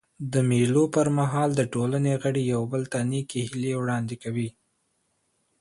د مېلو پر مهال د ټولني غړي یو بل ته نېکي هیلي وړاندي کوي.